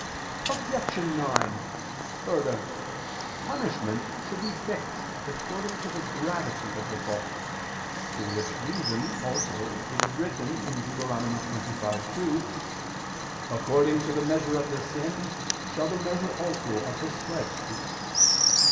Objection 9: Further, punishment should be fixed according to the gravity of the fault: for which reason also it is written (Deut. 25:2): "According to the measure of the sin, shall the measure also of the stripes be."